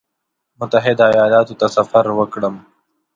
متحده ایالاتو ته سفر وکړم.